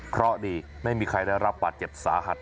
เพราะดีไม่มีใครได้รับบาดเจ็บสาหัส